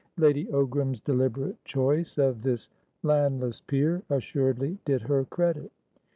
Lady Ogram's deliberate choice of this landless peer assuredly did her credit.